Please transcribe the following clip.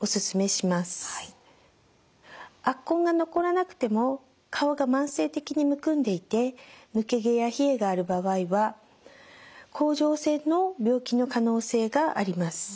圧痕が残らなくても顔が慢性的にむくんでいて抜け毛や冷えがある場合は甲状腺の病気の可能性があります。